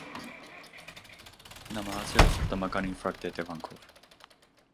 Նա մահացել է սրտամկանի ինֆարկտի հետևանքով։